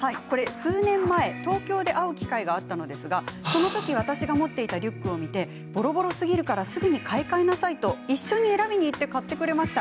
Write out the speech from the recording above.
数年前、東京で弟と会う機会があったのですがそのとき私が持っていたリュックを見てぼろぼろすぎるからすぐに買い替えなさいと一緒に選びに行って買ってくれました。